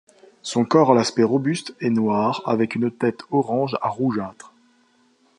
Son corps à l'aspect robuste est noir, avec une tête orange à rougeâtre.